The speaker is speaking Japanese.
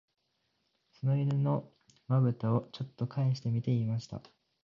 その犬の眼ぶたを、ちょっとかえしてみて言いました